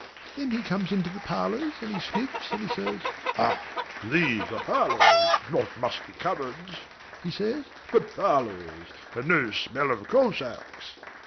Then he comes into the parlours and he sniffs, and he says "Hah! These are parlours! Not musty cupboards" he says "but parlours, and no smell of coal sacks."